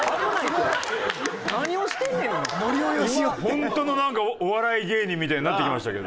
本当のお笑い芸人みたいになってきましたけど。